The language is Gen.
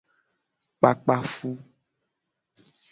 Kpakpa fu.